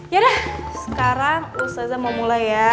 yaudah sekarang ustazah mau mulai ya